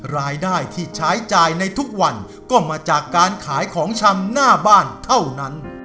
รายได้ที่ใช้จ่ายในทุกวันก็มาจากการขายของชำหน้าบ้านเท่านั้น